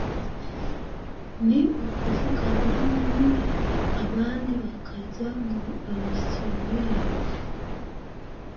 ni ukuvuga muri mines, abandi bakajya mu ba misiyoneri